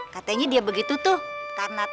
katanya dia begitu tuh karena takut